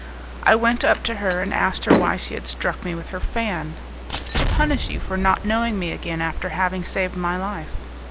I went up to her, and asked her why she had struck me with her fan. "To punish you for not knowing me again after having saved my life."